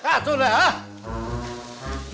kacau deh hah